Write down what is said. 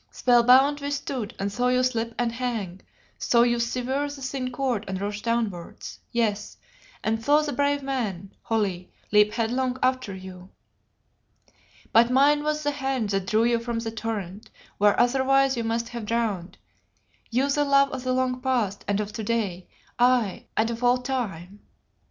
Spellbound we stood and saw you slip and hang, saw you sever the thin cord and rush downwards, yes, and saw that brave man, Holly, leap headlong after you. "But mine was the hand that drew you from the torrent, where otherwise you must have drowned, you the love of the long past and of to day, aye, and of all time.